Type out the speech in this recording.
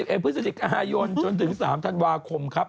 อ่ะ๑๑พฤศจิกยนต์ยนต์จนถึง๓ธันวาคมครับ